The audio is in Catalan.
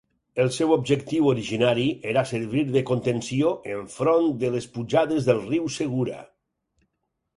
El seu objectiu originari era servir de contenció enfront de les pujades del riu Segura.